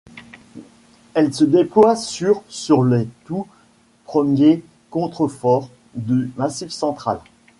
Elle se déploie sur sur les tout premiers contreforts du Massif central.